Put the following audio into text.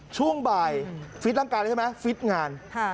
ช่วงบ่ายฟิตร่างกายเลยใช่ไหมฟิตงาน